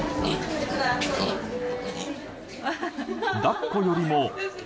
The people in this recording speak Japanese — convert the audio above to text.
抱っこよりも。